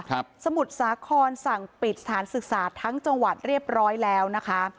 สมุทรสาครสั่งปิดสถานศึกษาทั้งจังหวัดเรียบร้อยแล้วนะคะ